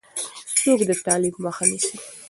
څوک د تعلیم مخه نیسي؟